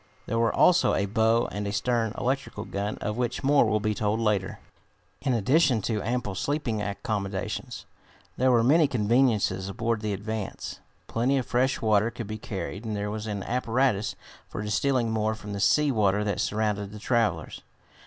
There were also a bow and a stern electrical gun, of which more will be told later. In addition to ample sleeping accommodations, there were many conveniences aboard the Advance. Plenty of fresh water could be carried, and there was an apparatus for distilling more from the sea water that surrounded the travelers.